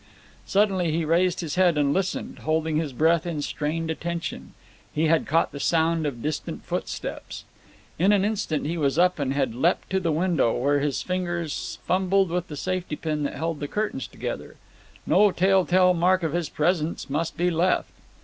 Suddenly he raised his head and listened, holding his breath in strained attention. He had caught the sound of distant footsteps. In an instant he was up and had leapt to the window, where his fingers fumbled with the safety pin that held the curtains together. No tell tale mark of his presence must be left.